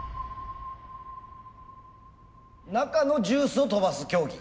中のジュースを飛ばす競技？